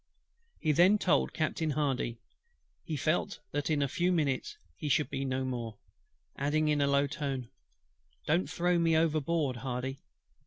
He then told Captain HARDY, "he felt that in a few minutes he should be no more;" adding in a low tone, "Don't throw me overboard, HARDY."